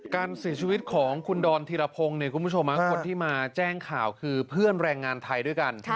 การเสียชีวิตของคุณดอนธีรพงศ์คุณผู้ชมคนที่มาแจ้งข่าวคือเพื่อนแรงงานไทยด้วยกัน